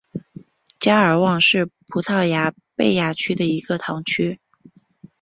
加尔旺是葡萄牙贝雅区的一个堂区。